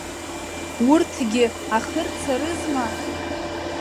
Урҭгьы ахырцарызма?